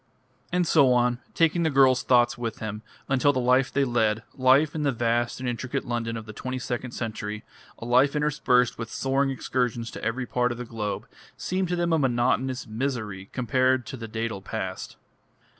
And so on, taking the girls' thoughts with him, until the life they led, life in the vast and intricate London of the twenty second century, a life interspersed with soaring excursions to every part of the globe, seemed to them a monotonous misery compared with the dædal past.